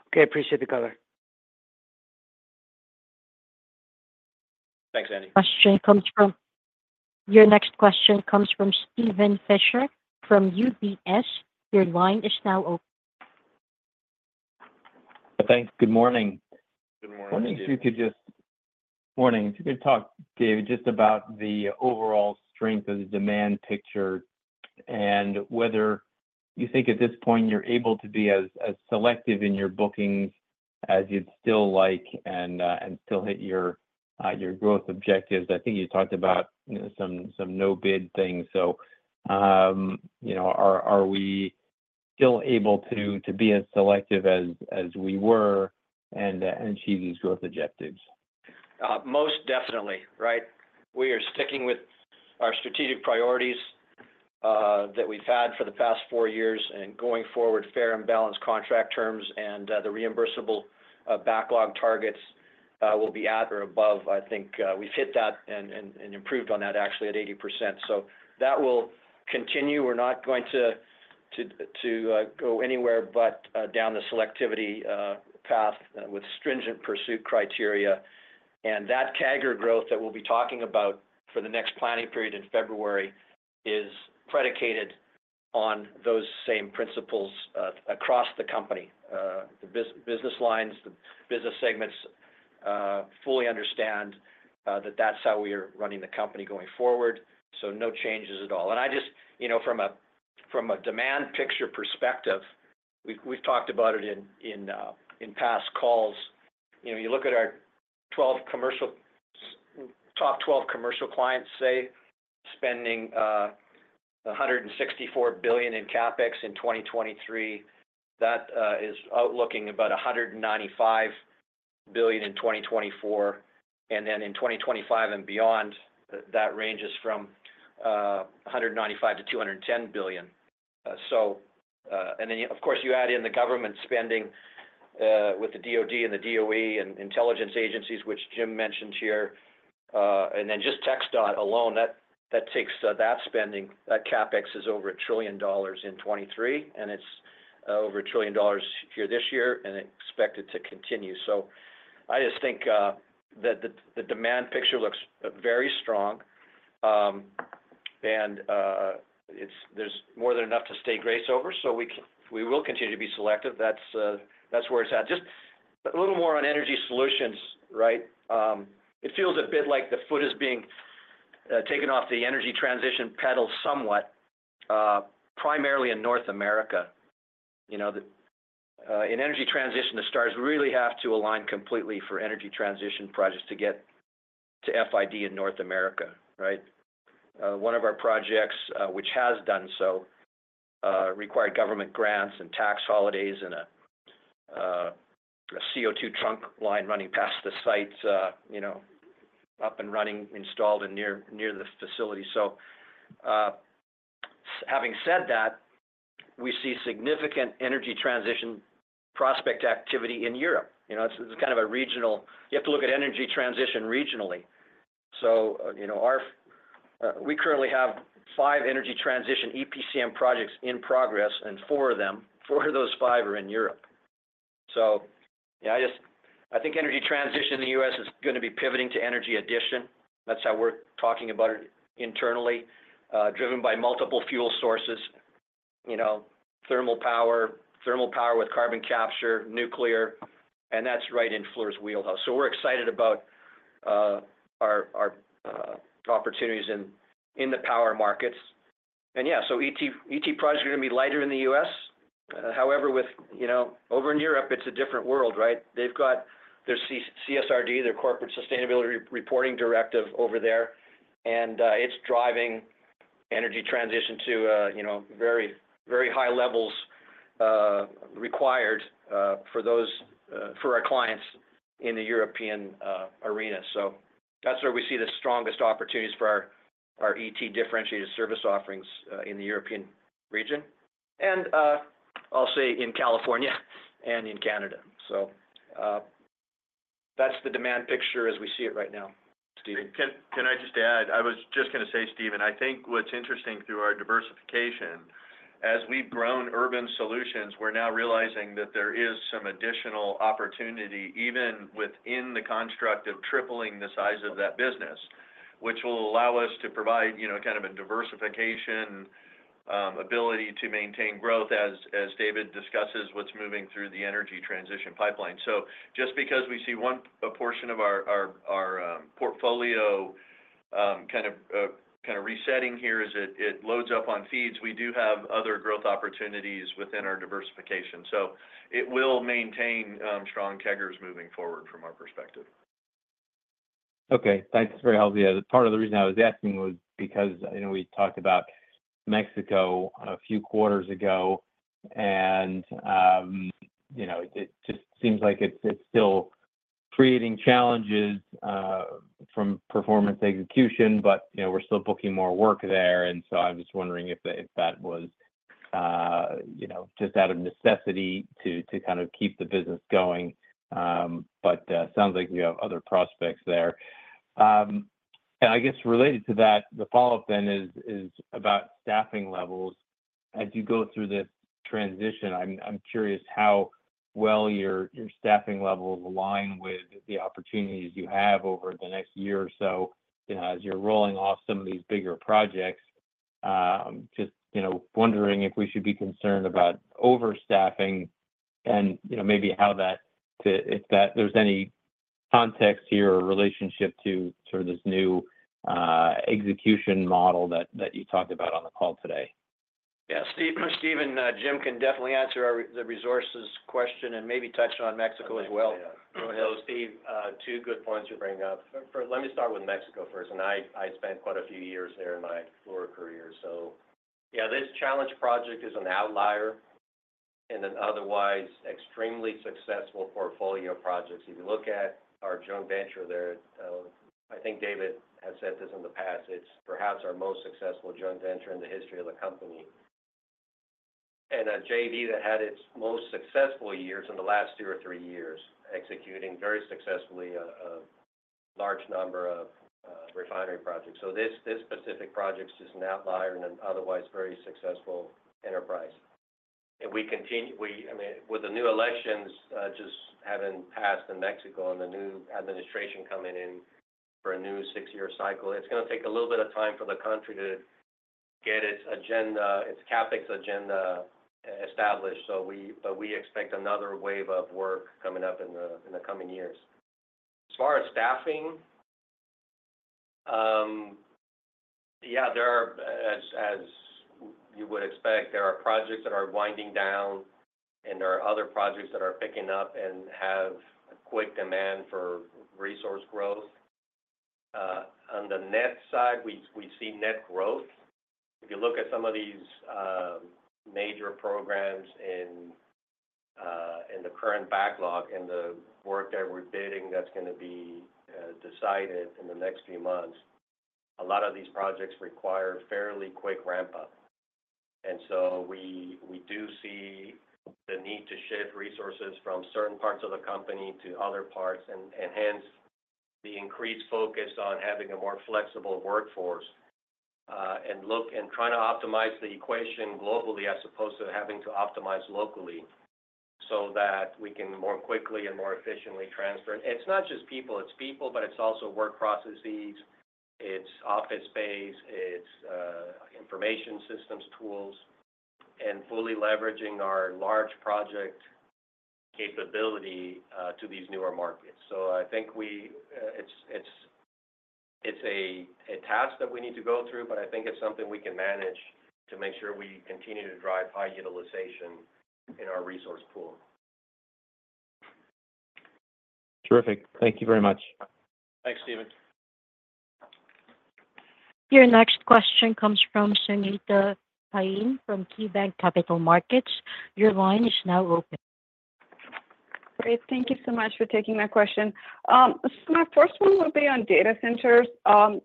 Okay. Appreciate the cover. Thanks, Andy. Your next question comes from Steven Fisher from UBS. Your line is now open. Thanks. Good morning. Good morning. If you could talk, David, just about the overall strength of the demand picture and whether you think at this point you're able to be as selective in your bookings as you'd still like and still hit your growth objectives. I think you talked about some no-bid things. So are we still able to be as selective as we were and achieve these growth objectives? Most definitely, right? We are sticking with our strategic priorities that we've had for the past four years and going forward, fair and balanced contract terms and the reimbursable backlog targets will be at or above. I think we've hit that and improved on that, actually, at 80%. So that will continue. We're not going to go anywhere but down the selectivity path with stringent pursuit criteria. And that CAGR growth that we'll be talking about for the next planning period in February is predicated on those same principles across the company. The business lines, the business segments fully understand that that's how we are running the company going forward. So no changes at all. And I just, from a demand picture perspective, we've talked about it in past calls. You look at our top 12 commercial clients, say, spending $164 billion in CapEx in 2023. That is looking about $195 billion in 2024, and then in 2025 and beyond, that ranges from $195-$210 billion. And then, of course, you add in the government spending with the DoD and the DOE and intelligence agencies, which Jim mentioned here, and then just tech sector alone, that spending, that CapEx is over $1 trillion in 2023, and it's over $1 trillion here this year and expected to continue, so I just think that the demand picture looks very strong, and there's more than enough to go around. So we will continue to be selective. That's where it's at. Just a little more on energy solutions, right? It feels a bit like the foot is being taken off the energy transition pedal somewhat, primarily in North America. In energy transition, the stars really have to align completely for energy transition projects to get to FID in North America, right? One of our projects, which has done so, required government grants and tax holidays and a CO2 trunk line running past the site, up and running, installed near the facility. So having said that, we see significant energy transition prospect activity in Europe. It's kind of a regional you have to look at energy transition regionally. So we currently have five energy transition EPCM projects in progress, and four of them, four of those five are in Europe. So I think energy transition in the U.S. is going to be pivoting to energy addition. That's how we're talking about it internally, driven by multiple fuel sources: thermal power, thermal power with carbon capture, nuclear, and that's right in Fluor's wheelhouse. So we're excited about our opportunities in the power markets. And yeah, so ET projects are going to be lighter in the U.S. However, over in Europe, it's a different world, right? They've got their CSRD, their Corporate Sustainability Reporting Directive, over there, and it's driving energy transition to very high levels required for our clients in the European arena. So that's where we see the strongest opportunities for our ET differentiated service offerings in the European region, and I'll say in California and in Canada. So that's the demand picture as we see it right now, Steven. Can I just add? I was just going to say, Steven, I think what's interesting through our diversification, as we've grown Urban Solutions, we're now realizing that there is some additional opportunity, even within the construct of tripling the size of that business, which will allow us to provide kind of a diversification ability to maintain growth, as David discusses, what's moving through the energy transition pipeline. So just because we see one portion of our portfolio kind of resetting here as it loads up on FEEDs, we do have other growth opportunities within our diversification. So it will maintain strong CAGRs moving forward from our perspective. Okay. Thanks. Very helpful. Part of the reason I was asking was because we talked about Mexico a few quarters ago, and it just seems like it's still creating challenges from performance execution, but we're still booking more work there. I'm just wondering if that was just out of necessity to kind of keep the business going. It sounds like you have other prospects there. I guess related to that, the follow-up then is about staffing levels. As you go through this transition, I'm curious how well your staffing levels align with the opportunities you have over the next year or so as you're rolling off some of these bigger projects. Just wondering if we should be concerned about overstaffing and maybe how that, if there's any context here or relationship to sort of this new execution model that you talked about on the call today. Yeah. Steven, Jim can definitely answer the resources question and maybe touch on Mexico as well. Go ahead. Steve, two good points you bring up. Let me start with Mexico first. I spent quite a few years there in my Fluor career, so yeah, this challenge project is an outlier in an otherwise extremely successful portfolio of projects. If you look at our joint venture there, I think David has said this in the past, it's perhaps our most successful joint venture in the history of the company, and JV that had its most successful years in the last two or three years, executing very successfully a large number of refinery projects, so this specific project is just an outlier in an otherwise very successful enterprise, and we continue, I mean, with the new elections just having passed in Mexico and the new administration coming in for a new six-year cycle, it's going to take a little bit of time for the country to get its agenda, its CapEx agenda established. But we expect another wave of work coming up in the coming years. As far as staffing, yeah, as you would expect, there are projects that are winding down, and there are other projects that are picking up and have quick demand for resource growth. On the net side, we see net growth. If you look at some of these major programs in the current backlog and the work that we're bidding that's going to be decided in the next few months, a lot of these projects require fairly quick ramp-up. And so we do see the need to shift resources from certain parts of the company to other parts and hence the increased focus on having a more flexible workforce and trying to optimize the equation globally as opposed to having to optimize locally so that we can more quickly and more efficiently transfer. And it's not just people. It's people, but it's also work processes. It's office space. It's information systems, tools, and fully leveraging our large project capability to these newer markets. So I think it's a task that we need to go through, but I think it's something we can manage to make sure we continue to drive high utilization in our resource pool. Terrific. Thank you very much. Thanks, Steven. Your next question comes from Sangita Jain from KeyBanc Capital Markets. Your line is now open. Great. Thank you so much for taking my question. So my first one will be on data centers.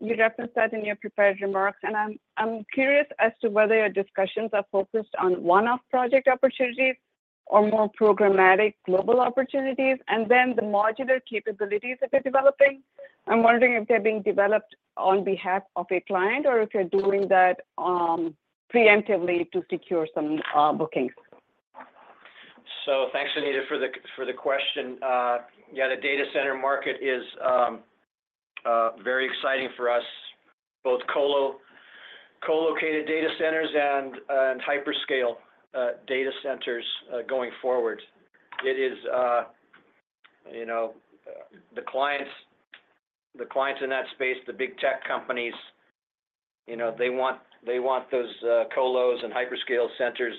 You referenced that in your prepared remarks. And I'm curious as to whether your discussions are focused on one-off project opportunities or more programmatic global opportunities and then the modular capabilities that you're developing. I'm wondering if they're being developed on behalf of a client or if you're doing that preemptively to secure some bookings. So thanks, Sangita, for the question. Yeah, the data center market is very exciting for us, both co-located data centers and hyperscale data centers going forward. It is the clients in that space, the big tech companies, they want those co-los and hyperscale centers,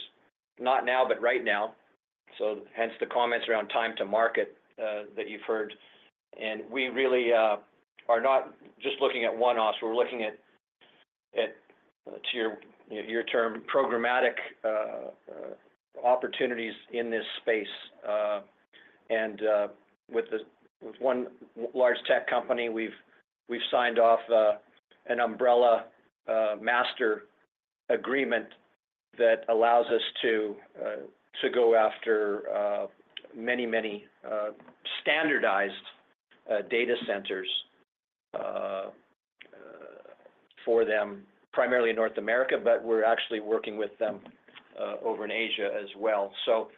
not now, but right now. So hence the comments around time to market that you've heard. And we really are not just looking at one-offs. We're looking at, to your term, programmatic opportunities in this space. And with one large tech company, we've signed off an umbrella master agreement that allows us to go after many, many standardized data centers for them, primarily in North America, but we're actually working with them over in Asia as well. So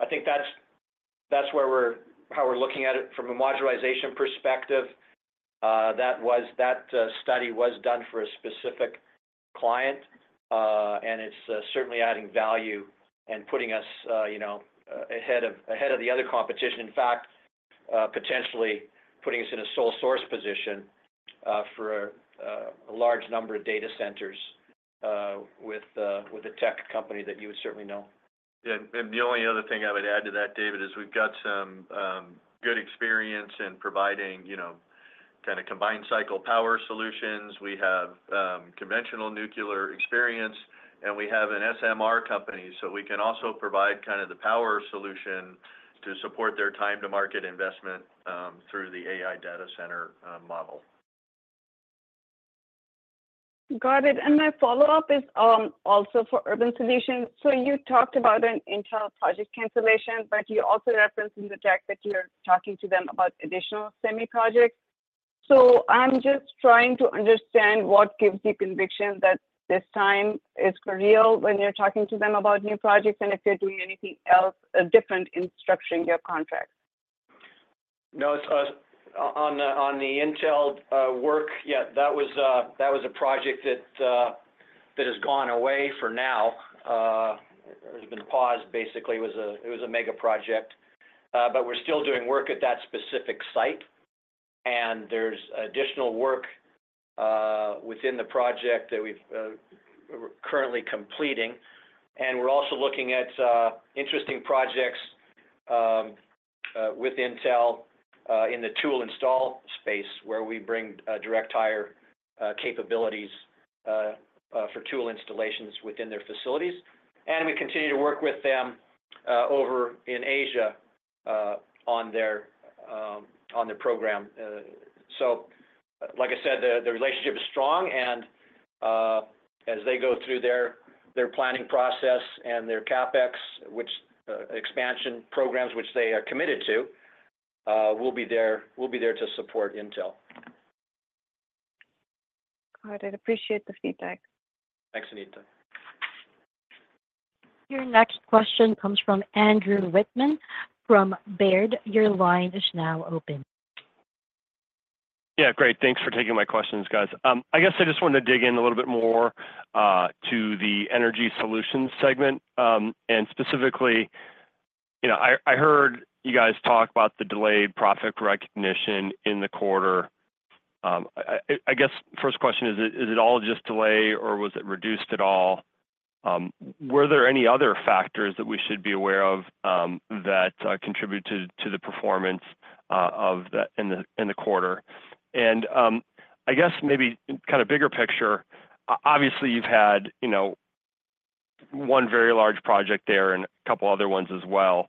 I think that's where we're looking at it from a modularization perspective. That study was done for a specific client, and it's certainly adding value and putting us ahead of the other competition. In fact, potentially putting us in a sole source position for a large number of data centers with a tech company that you would certainly know. Yeah. And the only other thing I would add to that, David, is we've got some good experience in providing kind of combined cycle power solutions. We have conventional nuclear experience, and we have an SMR company. So we can also provide kind of the power solution to support their time-to-market investment through the AI data center model. Got it. And my follow-up is also for Urban Solutions. So you talked about an Intel project cancellation, but you also referenced in the text that you're talking to them about additional semi-projects. So I'm just trying to understand what gives you conviction that this time is for real when you're talking to them about new projects and if you're doing anything else different in structuring your contract. No, on the Intel work, yeah, that was a project that has gone away for now. There's been a pause, basically. It was a mega project. But we're still doing work at that specific site. And there's additional work within the project that we're currently completing. And we're also looking at interesting projects with Intel in the tool install space where we bring direct-hire capabilities for tool installations within their facilities. And we continue to work with them over in Asia on their program. So like I said, the relationship is strong. And as they go through their planning process and their CapEx, which expansion programs which they are committed to, we'll be there to support Intel. Got it. Appreciate the feedback. Thanks, Sangita. Your next question comes from Andrew Wittman from Baird. Your line is now open. Yeah. Great. Thanks for taking my questions, guys. I guess I just wanted to dig in a little bit more to the Energy Solutions segment. And specifically, I heard you guys talk about the delayed profit recognition in the quarter. I guess first question is, is it all just delayed, or was it reduced at all? Were there any other factors that we should be aware of that contributed to the performance in the quarter? And I guess maybe kind of bigger picture, obviously, you've had one very large project there and a couple of other ones as well.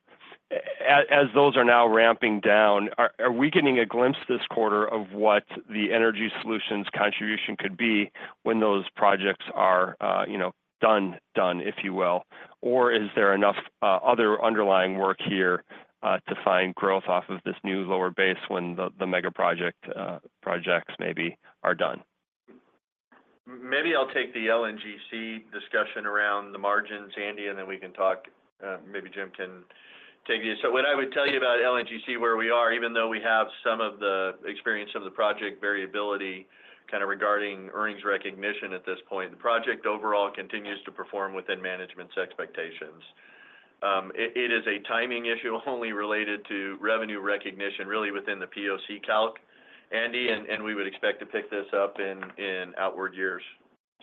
As those are now ramping down, are we getting a glimpse this quarter of what the Energy Solutions contribution could be when those projects are done, if you will? Or is there enough other underlying work here to find growth off of this new lower base when the mega projects maybe are done? Maybe I'll take the LNGC discussion around the margins, Andy, and then we can talk. Maybe Jim can take you. So what I would tell you about LNGC, where we are, even though we have some of the experience of the project variability kind of regarding earnings recognition at this point, the project overall continues to perform within management's expectations. It is a timing issue only related to revenue recognition, really within the POC calc, Andy, and we would expect to pick this up in outward years.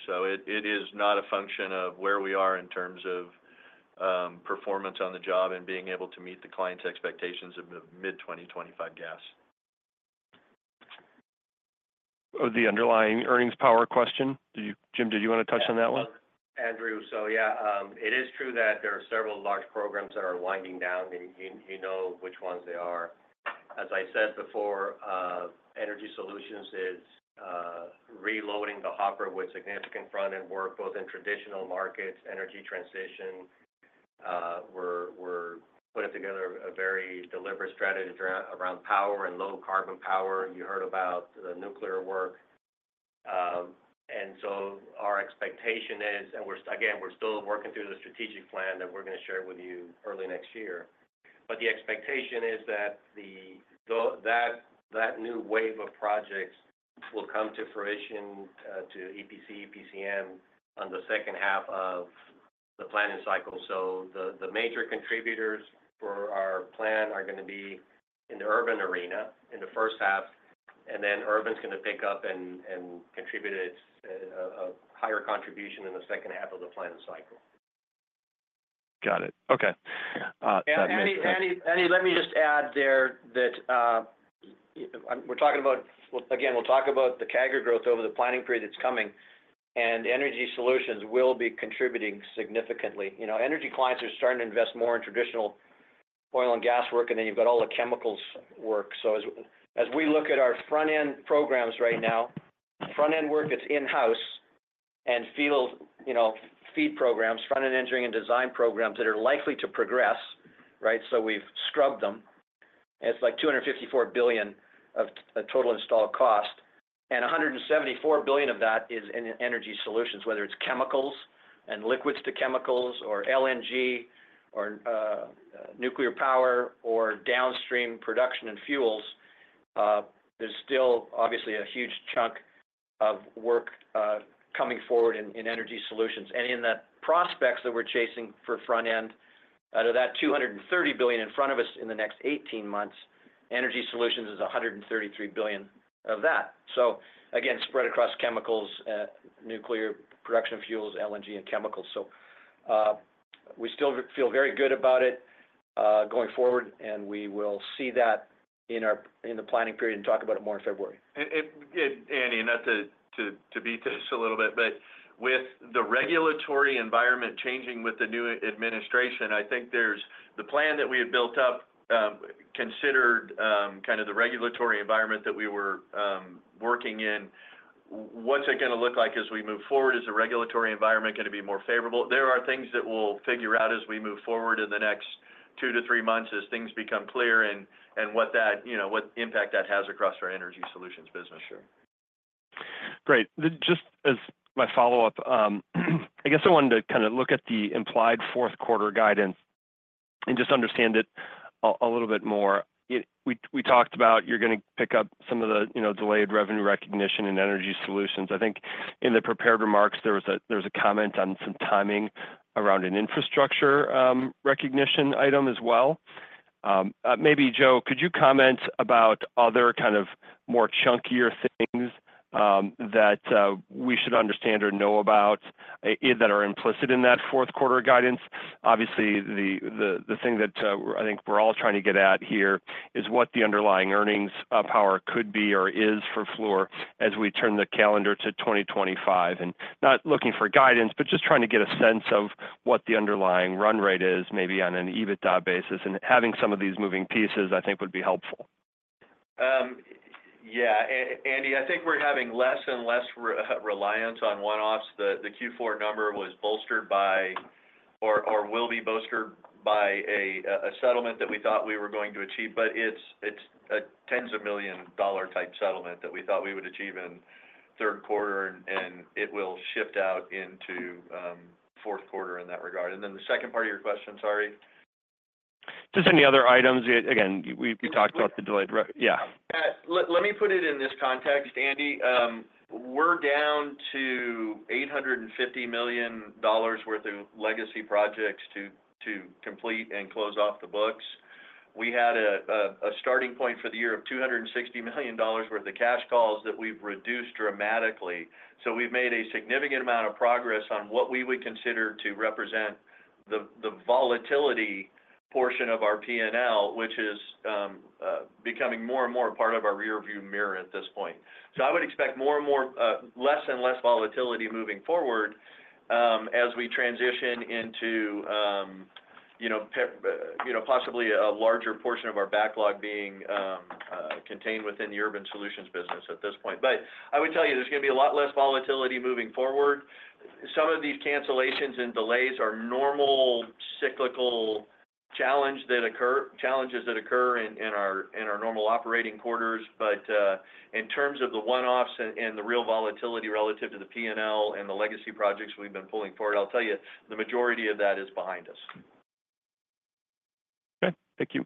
So it is not a function of where we are in terms of performance on the job and being able to meet the client's expectations of mid-2025 gas. The underlying earnings power question, Jim, did you want to touch on that one? Andrew, so yeah, it is true that there are several large programs that are winding down, and you know which ones they are. As I said before, Energy Solutions is reloading the hopper with significant front-end work, both in traditional markets, energy transition. We're putting together a very deliberate strategy around power and low-carbon power. You heard about the nuclear work. And so our expectation is, and again, we're still working through the strategic plan that we're going to share with you early next year. But the expectation is that that new wave of projects will come to fruition to EPC, EPCM on the second half of the planning cycle. So the major contributors for our plan are going to be in the urban arena in the first half, and then Urban's going to pick up and contribute a higher contribution in the second half of the planning cycle. Got it. Okay. That makes sense. Andy, let me just add there that we're talking about, again, we'll talk about the CAGR growth over the planning period that's coming, and Energy Solutions will be contributing significantly. Energy clients are starting to invest more in traditional oil and gas work, and then you've got all the chemicals work. So as we look at our front-end programs right now, front-end work that's in-house and FEED programs, front-end engineering and design programs that are likely to progress, right? We've scrubbed them. It's like $254 billion of total installed cost. And $174 billion of that is in Energy Solutions, whether it's chemicals and liquids to chemicals or LNG or nuclear power or downstream production and fuels. There's still obviously a huge chunk of work coming forward in Energy Solutions. And in the prospects that we're chasing for front-end, out of that $230 billion in front of us in the next 18 months, Energy Solutions is $133 billion of that. So again, spread across chemicals, nuclear production of fuels, LNG, and chemicals. So we still feel very good about it going forward, and we will see that in the planning period and talk about it more in February. Andy, not to beat this a little bit, but with the regulatory environment changing with the new administration, I think the plan that we had built up considered kind of the regulatory environment that we were working in. What's it going to look like as we move forward? Is the regulatory environment going to be more favorable? There are things that we'll figure out as we move forward in the next two to three months as things become clear and what impact that has across our Energy Solutions business. Sure. Great. Just as my follow-up, I guess I wanted to kind of look at the implied fourth quarter guidance and just understand it a little bit more. We talked about you're going to pick up some of the delayed revenue recognition and Energy Solutions. I think in the prepared remarks, there was a comment on some timing around an infrastructure recognition item as well. Maybe, Joe, could you comment about other kind of more chunkier things that we should understand or know about that are implicit in that fourth quarter guidance? Obviously, the thing that I think we're all trying to get at here is what the underlying earnings power could be or is for Fluor as we turn the calendar to 2025. And not looking for guidance, but just trying to get a sense of what the underlying run rate is maybe on an EBITDA basis. And having some of these moving pieces, I think, would be helpful. Yeah. Andy, I think we're having less and less reliance on one-offs. The Q4 number was bolstered by or will be bolstered by a settlement that we thought we were going to achieve, but it's a tens-of-million-dollar type settlement that we thought we would achieve in third quarter, and it will shift out into fourth quarter in that regard, and then the second part of your question, sorry. Just any other items? Again, we talked about the delayed. Let me put it in this context, Andy. We're down to $850 million worth of legacy projects to complete and close off the books. We had a starting point for the year of $260 million worth of cash calls that we've reduced dramatically. So we've made a significant amount of progress on what we would consider to represent the volatility portion of our P&L, which is becoming more and more part of our rearview mirror at this point. So I would expect more and more less and less volatility moving forward as we transition into possibly a larger portion of our backlog being contained within the Urban Solutions business at this point. But I would tell you, there's going to be a lot less volatility moving forward. Some of these cancellations and delays are normal cyclical challenges that occur in our normal operating quarters. But in terms of the one-offs and the real volatility relative to the P&L and the legacy projects we've been pulling forward, I'll tell you, the majority of that is behind us. Okay. Thank you.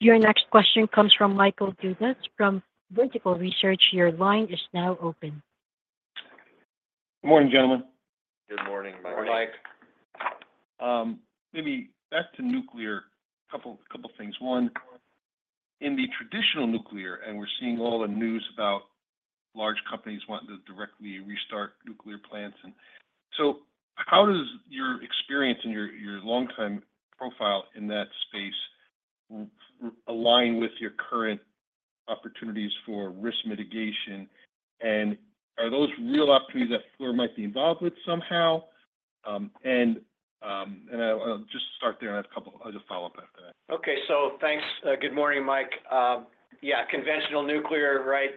Your next question comes from Michael Dudas from Vertical Research. Your line is now open. Good morning, gentlemen. Good morning, Mike. Maybe back to nuclear, a couple of things. One, in the traditional nuclear, and we're seeing all the news about large companies wanting to directly restart nuclear plants. And so how does your experience and your long-time profile in that space align with your current opportunities for risk mitigation? And are those real opportunities that Fluor might be involved with somehow? And I'll just start there and have a couple of follow-ups after that. Okay. So thanks. Good morning, Mike. Yeah. Conventional nuclear, right?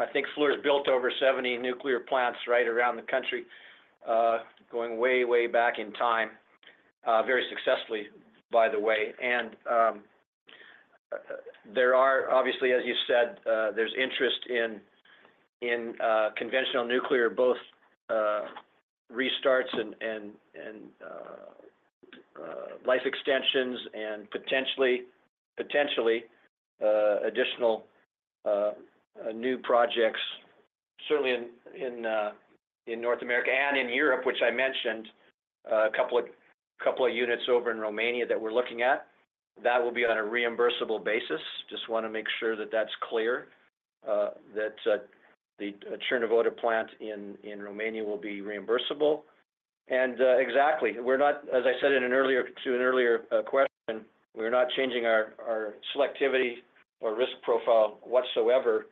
I think Fluor's built over 70 nuclear plants right around the country going way, way back in time, very successfully, by the way. And there are, obviously, as you said, there's interest in conventional nuclear, both restarts and life extensions and potentially additional new projects, certainly in North America and in Europe, which I mentioned a couple of units over in Romania that we're looking at. That will be on a reimbursable basis. Just want to make sure that that's clear, that the Cernavodă plant in Romania will be reimbursable. And exactly. As I said in an earlier question, we're not changing our selectivity or risk profile whatsoever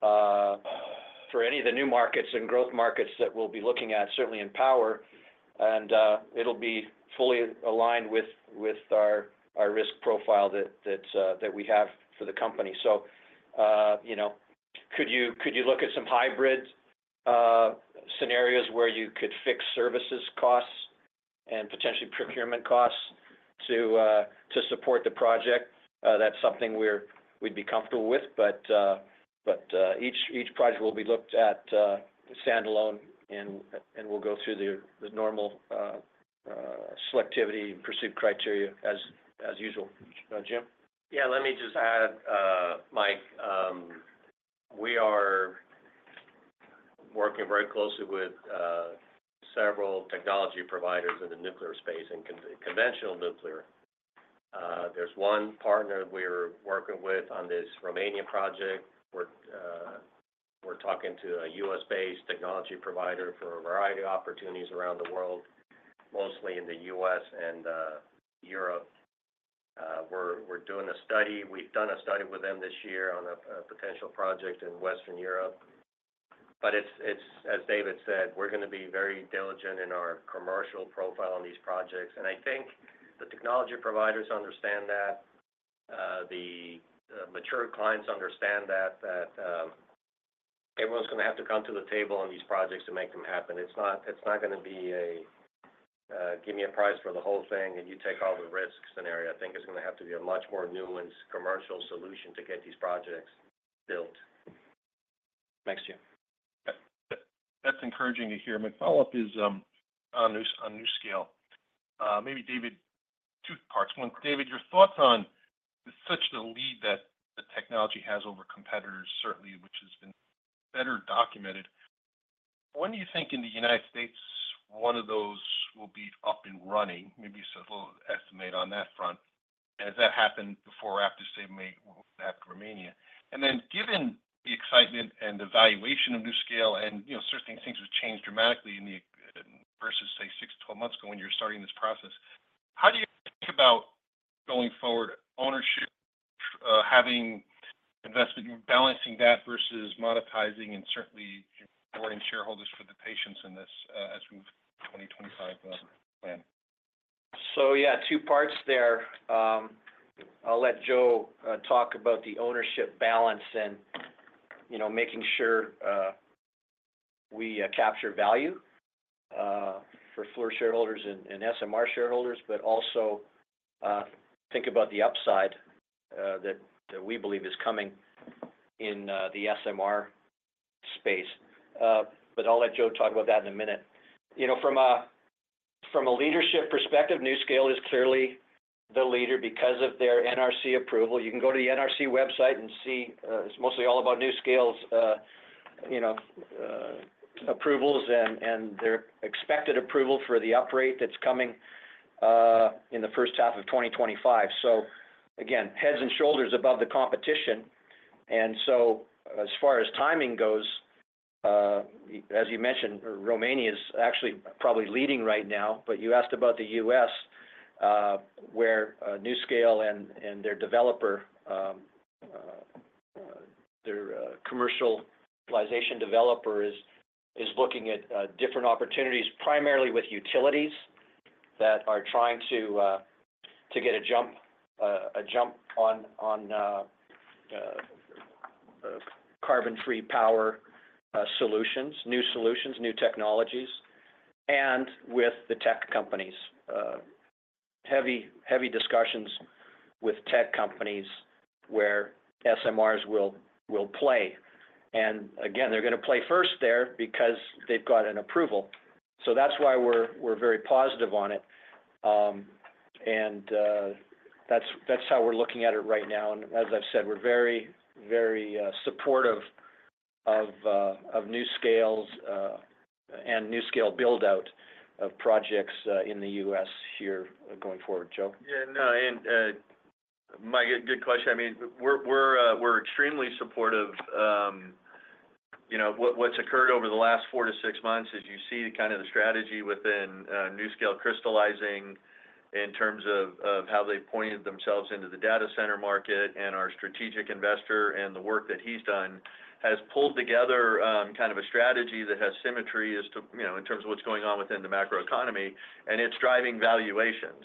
for any of the new markets and growth markets that we'll be looking at, certainly in power. And it'll be fully aligned with our risk profile that we have for the company. So could you look at some hybrid scenarios where you could fix services costs and potentially procurement costs to support the project? That's something we'd be comfortable with. But each project will be looked at standalone, and we'll go through the normal selectivity and pursuit criteria as usual. Jim? Yeah. Let me just add, Mike, we are working very closely with several technology providers in the nuclear space and conventional nuclear. There's one partner we're working with on this Romania project. We're talking to a U.S.-based technology provider for a variety of opportunities around the world, mostly in the U.S. and Europe. We're doing a study. We've done a study with them this year on a potential project in Western Europe. But as David said, we're going to be very diligent in our commercial profile on these projects. And I think the technology providers understand that. The mature clients understand that everyone's going to have to come to the table on these projects to make them happen. It's not going to be a give me a price for the whole thing and you take all the risks scenario. I think it's going to have to be a much more nuanced commercial solution to get these projects built. Thanks, Jim. That's encouraging to hear. My follow-up is on NuScale. Maybe David, two parts. David, your thoughts on NuScale's lead that the technology has over competitors, certainly, which has been better documented. When do you think in the United States one of those will be up and running? Maybe you said a little estimate on that front. Has that happened before or after, say, after Romania? And then given the excitement and the valuation of NuScale and certainly things have changed dramatically versus, say, 6-12 months ago when you're starting this process, how do you think about going forward, ownership, having investment, balancing that versus monetizing and certainly more shareholders for the patience in this as we move to 2025 plan? Yeah, two parts there. I'll let Joe talk about the ownership balance and making sure we capture value for Fluor shareholders and SMR shareholders, but also think about the upside that we believe is coming in the SMR space. I'll let Joe talk about that in a minute. From a leadership perspective, NuScale is clearly the leader because of their NRC approval. You can go to the NRC website and see it's mostly all about NuScale's approvals and their expected approval for the uprate that's coming in the first half of 2025. So again, head and shoulders above the competition. And so as far as timing goes, as you mentioned, Romania is actually probably leading right now. But you asked about the U.S. where NuScale and their developer, their commercial utilization developer is looking at different opportunities primarily with utilities that are trying to get a jump on carbon-free power solutions, new solutions, new technologies, and with the tech companies. Heavy discussions with tech companies where SMRs will play. And again, they're going to play first there because they've got an approval. So that's why we're very positive on it. And that's how we're looking at it right now. And as I've said, we're very, very supportive of NuScale's and NuScale build-out of projects in the U.S. here going forward, Joe. Yeah. No. And Mike, good question. I mean, we're extremely supportive. What's occurred over the last four-to-six months is you see kind of the strategy within NuScale crystallizing in terms of how they've pointed themselves into the data center market and our strategic investor and the work that he's done has pulled together kind of a strategy that has symmetry in terms of what's going on within the macroeconomy, and it's driving valuations.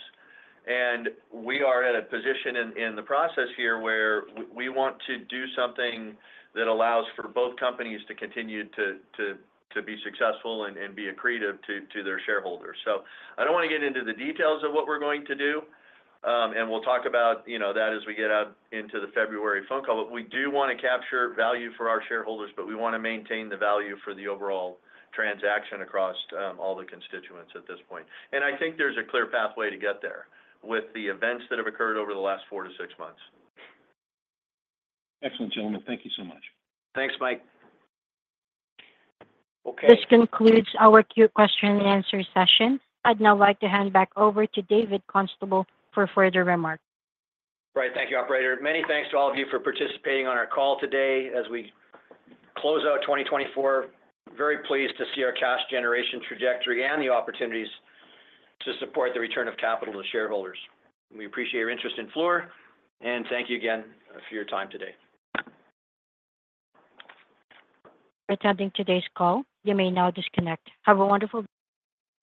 And we are at a position in the process here where we want to do something that allows for both companies to continue to be successful and be accretive to their shareholders. So I don't want to get into the details of what we're going to do, and we'll talk about that as we get out into the February phone call. But we do want to capture value for our shareholders, but we want to maintain the value for the overall transaction across all the constituents at this point. And I think there's a clear pathway to get there with the events that have occurred over the last four to six months. Excellent, gentlemen. Thank you so much. Thanks, Mike. Okay. This concludes our Q&A session. I'd now like to hand back over to David Constable for further remarks. Right. Thank you, Operator. Many thanks to all of you for participating on our call today as we close out 2024. Very pleased to see our cash generation trajectory and the opportunities to support the return of capital to shareholders. We appreciate your interest in Fluor, and thank you again for your time today. Attending today's call. You may now disconnect. Have a wonderful.